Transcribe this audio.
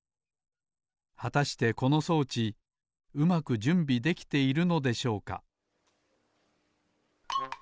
はたしてこの装置うまくじゅんびできているのでしょうか？